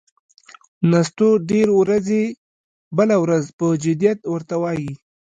نستوه ډېر ورځي، بله ورځ پهٔ جدیت ور ته وايي: